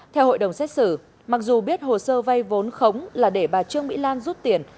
theo hội đồng xét xử mặc dù biết hồ sơ vay vốn khống là để bà trương mỹ lan rút tiền